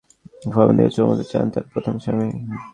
সেই মেয়েকে বিয়ের জন্য ফাহমিদার কাছে অনুমতি চান তাঁর প্রথম স্বামী।